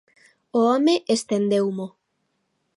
O home estendeumo.